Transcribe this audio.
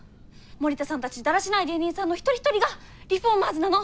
森田さんたちだらしない芸人さんの一人一人がリフォーマーズなの！